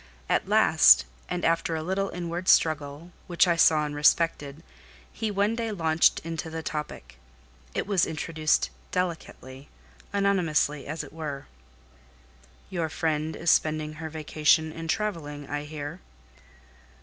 At last, and after a little inward struggle, which I saw and respected, he one day launched into the topic. It was introduced delicately; anonymously as it were. "Your friend is spending her vacation in travelling, I hear?"